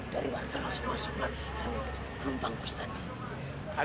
dari warga langsung masuk lagi ke lompang bus tadi